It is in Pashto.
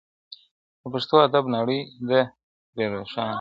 د پښتو ادب نړۍ ده پرې روښانه.